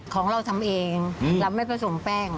ของเราทำเองเราไม่ผสมแป้ง